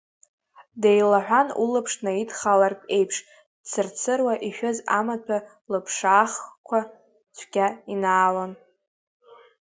Деилаҳәан, улаԥш наидхалартә еиԥш, дцырцыруа, ишәыз амаҭәа лыԥшаахқәа цәгьа инаалон.